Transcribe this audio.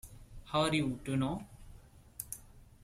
How are you to know?